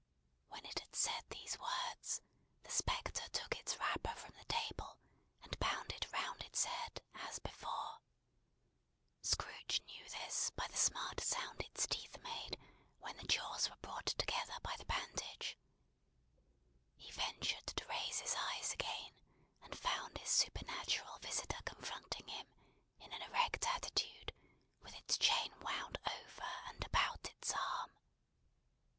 When it had said these words, the spectre took its wrapper from the table, and bound it round its head, as before. Scrooge knew this, by the smart sound its teeth made, when the jaws were brought together by the bandage. He ventured to raise his eyes again, and found his supernatural visitor confronting him in an erect attitude, with its chain wound over and about its arm.